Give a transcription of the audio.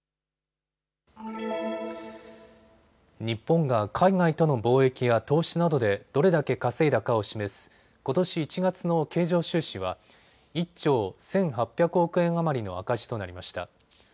日本が海外との貿易や投資などでどれだけ稼いだかを示すことし１月の経常収支は１兆１８００億円余りの赤字となりました。